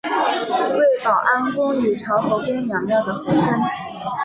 为保安宫与潮和宫两庙的合称。